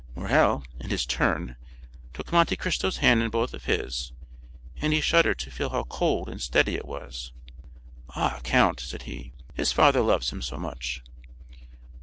Morrel, in his turn, took Monte Cristo's hand in both of his, and he shuddered to feel how cold and steady it was. "Ah, count," said he, "his father loves him so much!"